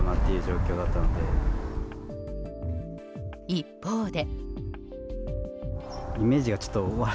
一方で。